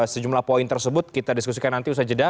sejumlah poin tersebut kita diskusikan nanti usai jeda